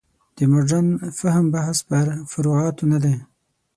د مډرن فهم بحث پر فروعاتو نه دی.